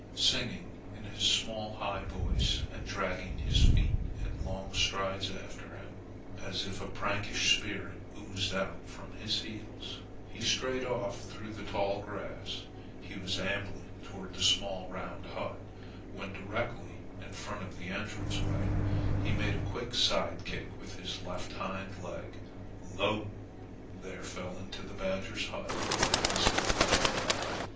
Singing in his small high voice and dragging his feet in long strides after him, as if a prankish spirit oozed out from his heels, he strayed off through the tall grass. He was ambling toward the small round hut. When directly in front of the entrance way, he made a quick side kick with his left hind leg. Lo! there fell into the badger's hut a piece of fresh meat.